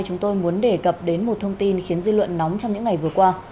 chúng tôi muốn đề cập đến một thông tin khiến dư luận nóng trong những ngày vừa qua